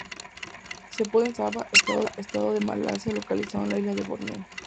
Se pueden encontrar en Sabah, estado de Malasia localizado en la isla de Borneo.